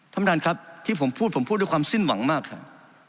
ท่านประธานครับที่ผมพูดผมพูดด้วยความสิ้นหวังมากครับ